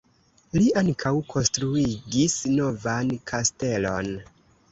Li ankaŭ konstruigis novan kastelon.